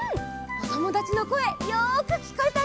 おともだちのこえよくきこえたよ。